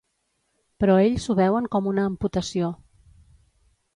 Però ells ho veuen com una amputació.